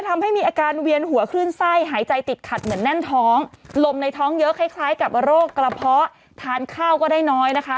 มันน่อนก็ไม่ถ้าระเพาะทานข้าวก็ได้น้อยนะคะ